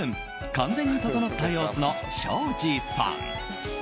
完全にととのった様子の庄司さん。